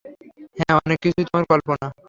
হ্যাঁ, অনেক কিছুই তোমার কল্পনা।